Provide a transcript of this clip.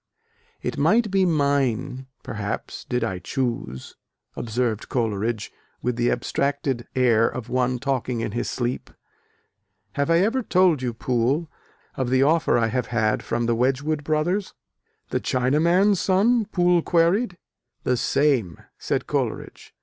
"It might be mine, perhaps, did I choose...." observed Coleridge, with the abstracted air of one talking in his sleep, "Have I ever told you, Poole, of the offer I have had from the Wedgwood brothers?" "The china man's sons?" Poole queried. "The same," said Coleridge.